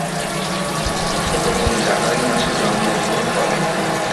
তার ছোট বোন জানুয়ারি মাসে জন্মগ্রহণ করে।